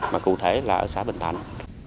mà cụ thể là ở xã bình thành